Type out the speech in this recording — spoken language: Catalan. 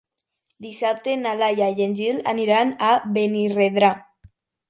Dissabte na Laia i en Gil aniran a Benirredrà.